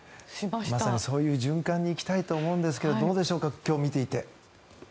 まさにそういう循環に行きたいと思うんですがどうでしょう、今日見ていて。